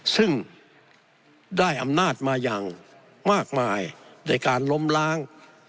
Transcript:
ซึ่งได้อำนาจมาอย่างมากมายในการล้มล้าง